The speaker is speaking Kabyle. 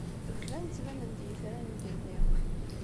Bdan ttbanen-d yitran deg yigenni.